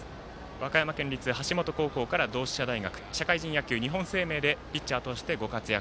和歌山県立橋本高校から同志社大学、社会人野球日本生命でピッチャーとしてご活躍。